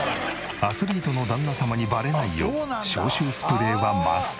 アスリートの旦那様にバレないよう消臭スプレーはマスト。